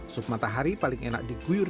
sup matahari paling enak diguyur